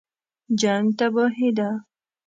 جنګ تباهي ده